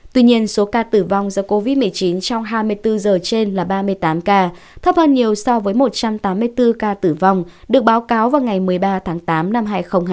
tuy nhiên số ca tử vong do covid một mươi chín trong hai mươi bốn giờ trên là ba mươi tám ca thấp hơn nhiều so với một trăm tám mươi bốn ca tử vong được báo cáo vào ngày một mươi ba tháng tám năm hai nghìn hai mươi